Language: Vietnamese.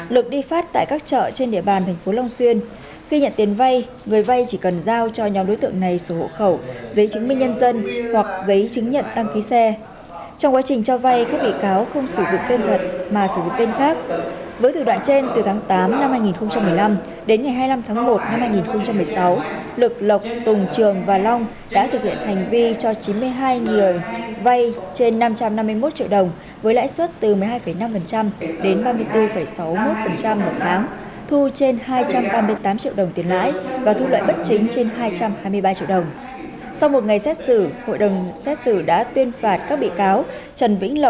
lực đi phát tại các chợ trên địa bàn tp long xuyên khi nhận tiền vay người vay chỉ cần giao cho nhóm đối tượng này số hộ khẩu giấy chứng minh nhân dân hoặc giấy chứng nhận đăng ký xe